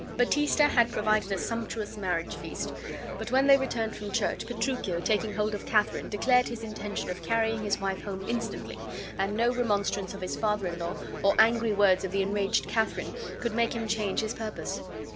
Baptista had provided a sumptuous marriage feast, but when they returned from church, Petruchio, taking hold of Katharine, declared his intention of carrying his wife home instantly, and no remonstrance of his father in law, or angry words of the enraged Katharine, could make him change his purpose.